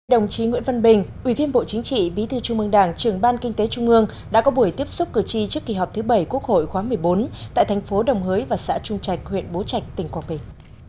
đồng chí nguyễn văn bình ủy viên bộ chính trị bí thư trung mương đảng trưởng ban kinh tế trung mương đã có buổi tiếp xúc cử tri trước kỳ họp thứ bảy quốc hội khóa một mươi bốn tại thành phố đồng hới và xã trung trạch huyện bố trạch tỉnh quảng bình